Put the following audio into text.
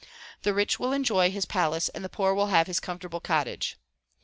The rich will enjoy his palace and the poor will have his comfortable cottage.